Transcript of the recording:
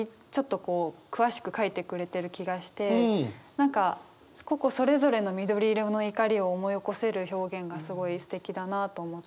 こう詳しく書いてくれてる気がして何か個々それぞれの緑色の怒りを思い起こせる表現がすごいすてきだなと思って。